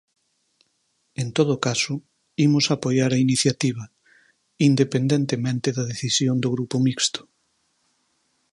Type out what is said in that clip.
En todo caso, imos apoiar a iniciativa, independentemente da decisión do Grupo Mixto.